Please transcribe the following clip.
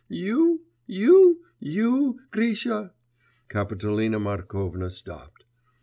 You? you? you, Grisha?'... Kapitolina Markovna stopped.